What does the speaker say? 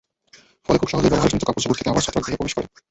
ফলে খুব সহজেই ব্যবহারজনিত কাপড়চোপড় থেকে আবার ছত্রাক দেহে প্রবেশ করে।